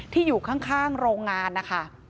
อยู่ข้างโรงงานนะคะ